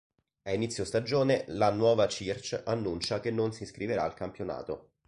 Ad inizio stagione la Nuova Circe annuncia che non si iscriverà al campionato.